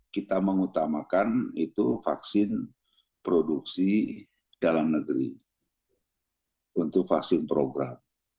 kita mengutamakan itu vaksin produksi dalam negeri untuk vaksin program